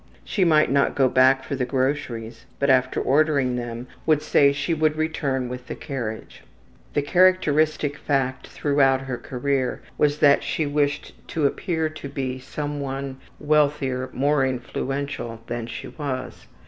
She might not go back for the groceries, but after ordering them would say she would return with the carriage. The characteristic fact throughout her career was that she wished to appear to be some one wealthier, more influential than she was.